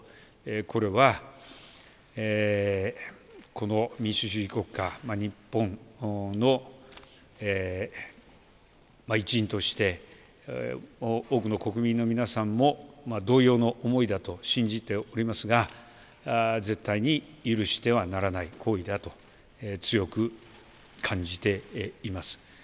これは、この民主主義国家日本の一員として多くの国民の皆さんも同様の思いだと信じておりますが絶対に許してはならない行為だと強く感じています。